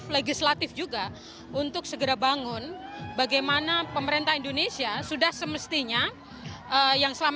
legislatif juga untuk segera bangun bagaimana pemerintah indonesia sudah semestinya yang selama